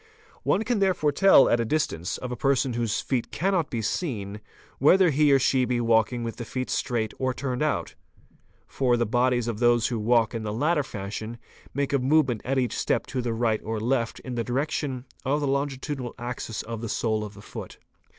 One } can therefore tell at a distance, of a person whose feet cannot be seen, — whether he or she be walking with the feet straight ox turned out; for the bodies of those who walk in the latter fashion make a movement at each step to the right or left in the direction of the longitudinal axis of | the sole of the foot.